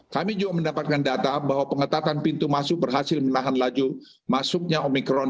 kami juga mendapatkan data bahwa pengetatan pintu masuk bersebaran